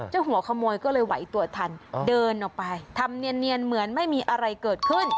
หัวขโมยก็เลยไหวตัวทันเดินออกไปทำเนียนเหมือนไม่มีอะไรเกิดขึ้น